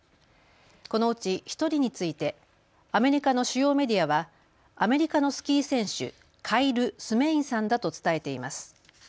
このうち１人についてアメリカの主要メディアはアメリカのスキー選手、カイル・スメインさんだと伝えています。